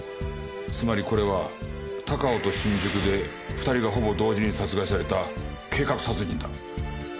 つまりこれは高尾と新宿で２人がほぼ同時に殺害された計画殺人だ。